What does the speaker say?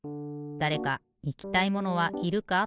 だれかいきたいものはいるか？